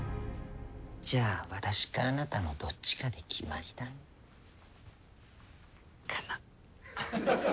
じゃあ私かあなたのどっちかで決まりだね。かな？